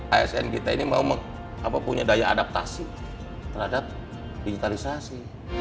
asn kita ini mau punya daya adaptasi terhadap digitalisasi